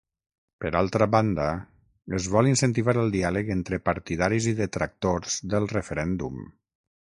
Per altra banda, es vol incentivar el diàleg entre partidaris i detractors del referèndum.